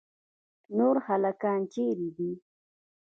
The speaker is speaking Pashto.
نور هلکان چیرې دي.